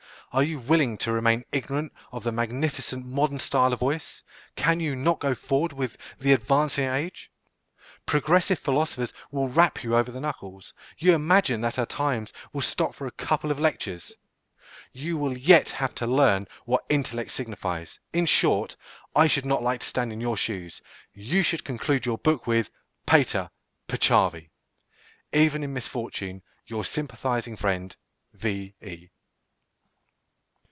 Are you willing to remain ignorant of the magnificent modern style of voice? Can you not go forward with the advancing age? Progressive philosophers will rap you over the knuckles. You imagine that our times will stop for a couple of lectures! You will yet have to learn what "intellect" signifies. In short, I should not like to stand in your shoes. You should conclude your book with "Pater, peccavi." Even in misfortune, Your sympathizing friend, _V.E.